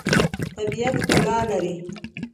طبیعت ښکلا لري.